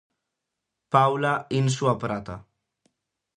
Paula Insua - prata.